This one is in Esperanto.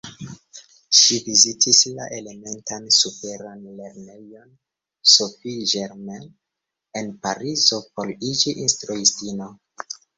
Ŝi vizitis la elementan superan lernejon Sophie Germain en Parizo por iĝi instruistino.